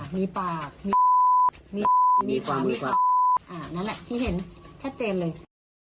มีปากมีมีมีความมีอ่านั่นแหละที่เห็นแค่เจนเลย